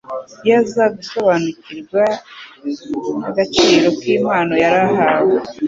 Iyo aza gusobanukirwa n'agaciro k'impano yari ahawe,